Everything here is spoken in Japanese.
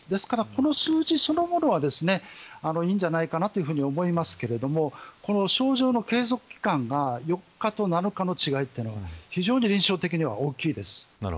この数字そのものはいいんじゃないかなと思いますがこの症状の継続期間が４日と７日の違いというのは非常に臨床的には大きいです。